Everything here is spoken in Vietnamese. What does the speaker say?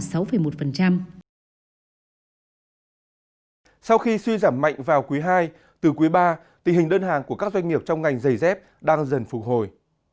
sau khi suy giảm mạnh vào cuối hai từ cuối ba tình hình đơn hàng của các doanh nghiệp trong ngành giày dép đang dần phục hồi